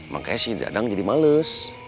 makanya si dadang jadi males